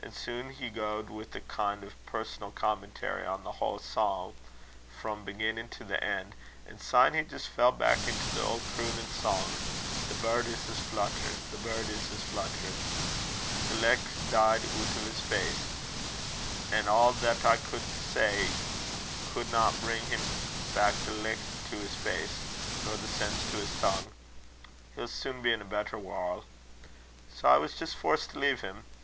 And so on he gaed, wi' a kin' o' a personal commentary on the haill psalm frae beginnin' to en', and syne he jist fell back into the auld croonin' sang, 'The birdies is flutterin'; the birdies is flutterin'.' The licht deed oot o' his face, an' a' that I could say could na' bring back the licht to his face, nor the sense to his tongue. He'll sune be in a better warl'. Sae I was jist forced to leave him.